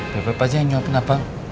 beb beb aja yang nyuapin abang